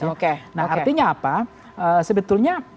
nah artinya apa sebetulnya